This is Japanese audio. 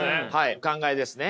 お考えですね。